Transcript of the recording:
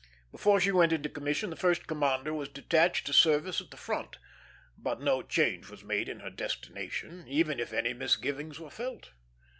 Before she went into commission, the first commander was detached to service at the front; but no change was made in her destination, even if any misgivings were felt.